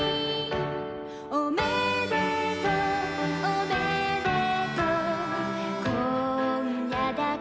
「おめでとう」「おめでとう」「今夜だけ」